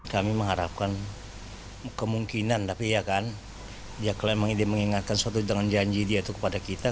kami mengharapkan kemungkinan tapi ya kan dia mengingatkan suatu dengan janji dia itu kepada kita